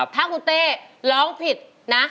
ถ้าคุณเต้ร้องผิดนะ